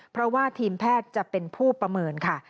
เพราะว่าทีมแพทย์จะเป็นผู้ประเมินค่ะ